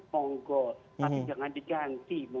monggo tapi jangan diganti